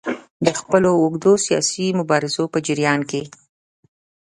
د خپلو اوږدو سیاسي مبارزو په جریان کې.